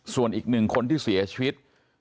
ส่วนอีกหนึ่งคนที่เสียชีวิต